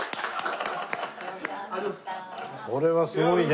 これはすごいね。